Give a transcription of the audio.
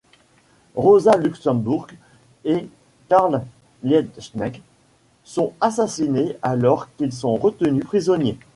Rosa Luxemburg et Karl Liebknecht sont assassinés alors qu’ils sont retenus prisonniers.